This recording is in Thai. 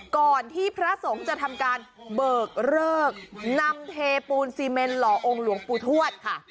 ก่อนที่พระสงฆ์จะทำการเบิกเลิกนำเทปูนซีเมนหล่อองค์หลวงปู่ทวดค่ะ